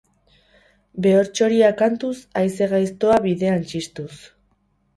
Behor-txoria kantuz, haize gaiztoa bidean txistuz.